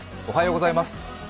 おはようございます。